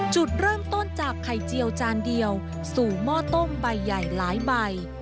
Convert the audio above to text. จุดเริ่มต้นจากไข่เจียวจานเดียวสู่หม้อต้มใบใหญ่หลายใบ